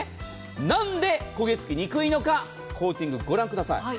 なんで焦げつきにくいのか、コーティングご覧ください。